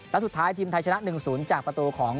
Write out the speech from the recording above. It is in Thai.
และสุดท้ายทีมไทยชนะ๑๐จากประตูของ